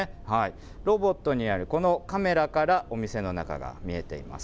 ロボットにあるこのカメラから、お店の中が見えています。